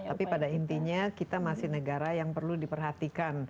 tapi pada intinya kita masih negara yang perlu diperhatikan